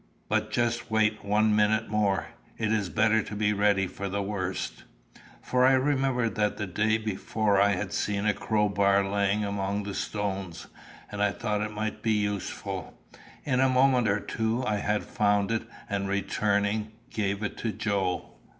"But just wait one minute more. It is better to be ready for the worst." For I remembered that the day before I had seen a crowbar lying among the stones, and I thought it might be useful. In a moment or two I had found it, and returning, gave it to Joe.